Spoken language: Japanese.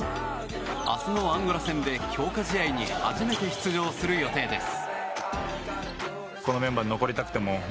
明日のアンゴラ戦で強化試合に初めて出場する予定です。